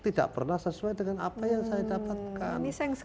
tidak pernah sesuai dengan apa yang saya dapatkan